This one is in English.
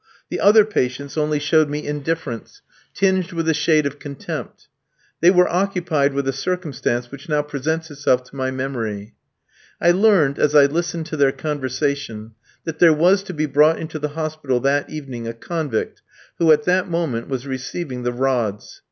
The other patients only showed me indifference, tinged with a shade of contempt. They were occupied with a circumstance which now presents itself to my memory. I learned, as I listened to their conversation, that there was to be brought into the hospital that evening a convict who, at that moment, was receiving the rods.